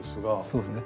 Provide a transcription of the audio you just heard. そうですね。